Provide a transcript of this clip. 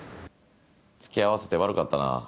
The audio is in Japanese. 付き合わせて悪かったな。